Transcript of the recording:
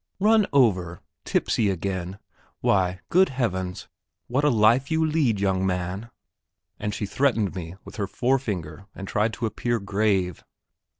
"Run over! Tipsy again? Why, good heavens! what a life you lead, young man!" and she threatened me with her forefinger, and tried to appear grave.